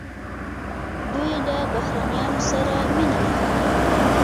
دوی له بهرنیانو سره مینه لري.